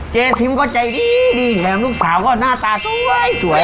เจ๊ซิมก็ใจดีดีแหลมลูกสาวก็หน้าตาสวยสวย